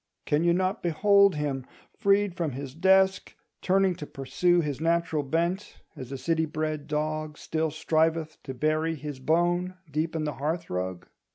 Can you not behold him, freed from his desk, turning to pursue his natural bent, as a city bred dog still striveth to bury his bone deep in the hearth rug?